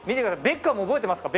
ベッカム覚えてますか？